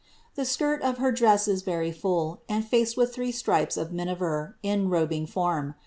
The skirt of her dress is very full, ^ with three stripes of miniver, in the robing form.